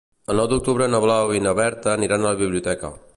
El nou d'octubre na Blau i na Berta aniran a la biblioteca.